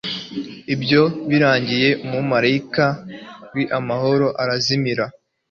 ibyo birangiye, umumalayika w'uhoraho arazimira